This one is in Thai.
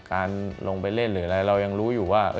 การลงไปเล่นหรืออะไรเรายังรู้อยู่ว่า